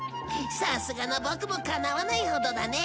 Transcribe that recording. さすがのボクもかなわないほどだね。